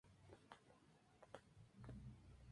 Rock" y la Compañía Easy en Estados Unidos.